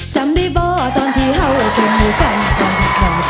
จำได้ป่ะตอนที่เราเป็นอยู่กันก่อน